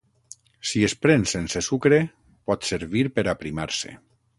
Si es pren sense sucre, pot servir per aprimar-se.